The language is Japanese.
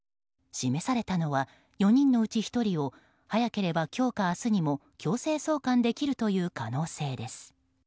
示されたのは４人のうち１人を早ければ今日か明日にも強制送還できるという可能性です。